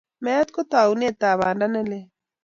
Meet ko taunetab banda ne lel.